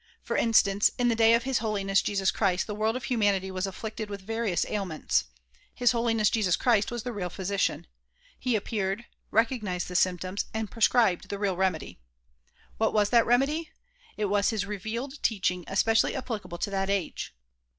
For instance, in the day of His Holiness Jesus Christ the world of humanity was afflicted with various ailments. His Holiness Jesus Christ was the real physician. He appeared, recognized the symptoms and prescribed the real remedy. What was that remedy ? It was his revealed teaching especially applicable to that age.